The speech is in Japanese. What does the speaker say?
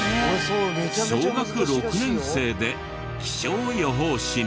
小学６年生で気象予報士に。